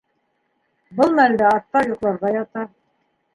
Был мәлдә аттар йоҡларға ята.